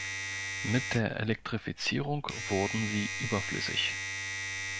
Mit der Elektrifizierung wurden sie überflüssig.